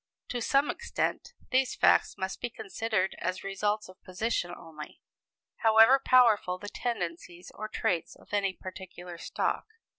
To some extent, these facts must be considered as results of position only, however powerful the tendencies or traits of any particular stock.